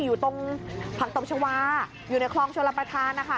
อยู่ตรงผักตบชาวาอยู่ในคลองชลประธานนะคะ